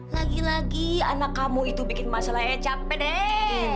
lagi lagi anak kamu itu bikin masalahnya capek deh